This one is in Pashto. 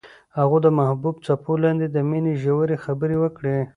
هغوی د محبوب څپو لاندې د مینې ژورې خبرې وکړې.